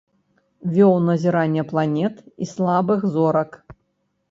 Вёў назірання планет і слабых зорак.